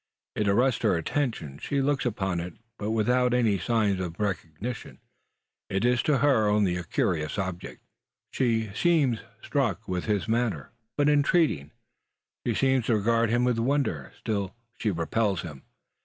It arrests her attention. She looks upon it, but without any signs of recognition. It is to her only a curious object. She seems struck with his manner, frantic but intreating. She seems to regard him with wonder. Still she repels him.